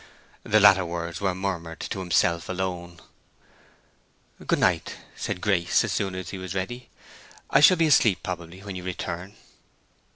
The latter words were murmured to himself alone. "Good night," said Grace, as soon as he was ready. "I shall be asleep, probably, when you return."